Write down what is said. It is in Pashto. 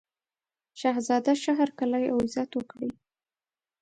شهزاده ښه هرکلی او عزت وکړي.